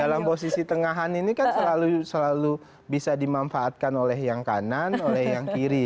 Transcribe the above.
dalam posisi tengahan ini kan selalu bisa dimanfaatkan oleh yang kanan oleh yang kiri